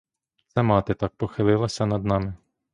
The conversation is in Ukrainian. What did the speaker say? Це мати так похилилася над нами.